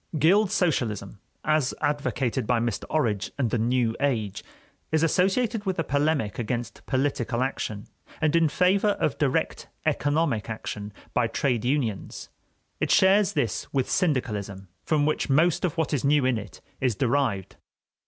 Guild socialism, as advocated by Mr. Orage and the "New Age," is associated with a polemic against "political" action, and in favor of direct economic action by trade unions. It shares this with syndicalism, from which most of what is new in it is derived.